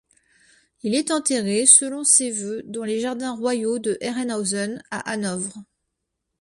Il est enterré, selon ses vœux, dans les jardins royaux de Herrenhausen, à Hanovre.